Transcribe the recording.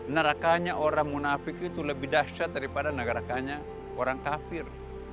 nerakanya orang munafiq itu lebih dahsyat daripada negara kanya orang kafir